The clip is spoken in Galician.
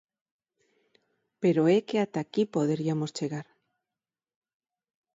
¡Pero é que ata aquí poderiamos chegar!